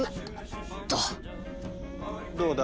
どうだ？